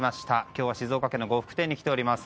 今日は静岡県の呉服店に来ています。